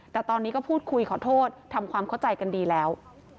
แต่ตอนนี้ก็พูดคุยขอโทษทำความเข้าใจกันดีแล้ว